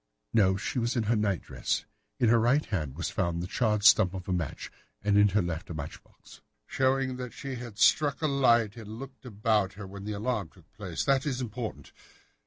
"No, she was in her night dress. In her right hand was found the charred stump of a match, and in her left a match box." "Showing that she had struck a light and looked about her when the alarm took place. That is important.